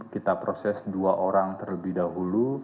kita proses dua orang terlebih dahulu